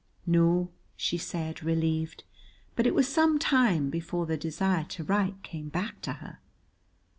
"No," she said, relieved, but it was some time before the desire to write came back to her.